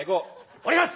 お願いします。